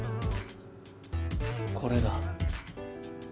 これだ。